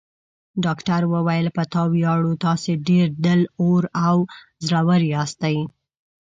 ډاکټر وویل: په تا ویاړو، تاسي ډېر دل اور او زړور یاست.